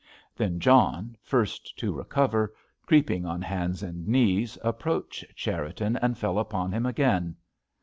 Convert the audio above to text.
Then John, first to recover, creeping on hands and knees, approached Cherriton and fell upon him again.